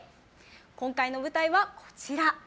今回の舞台はこちら。